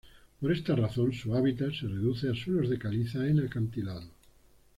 Por esta razón su hábitat se reduce a suelos de caliza en acantilados.